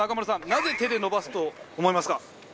なぜ、手でのばすと思いますか？